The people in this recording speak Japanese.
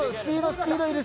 スピードいる。